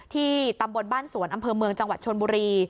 ตำบลบ้านสวนอำเภอเมืองจังหวัดชนบุรี